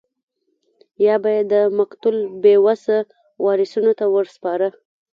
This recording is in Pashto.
یا به یې د مقتول بې وسه وارثینو ته ورسپاره.